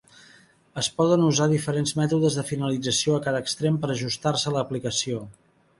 Es poden usar diferents mètodes de finalització a cada extrem per a ajustar-se a l'aplicació.